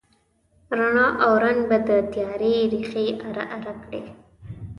رڼا او رنګ به د تیارې ریښې اره، اره کړي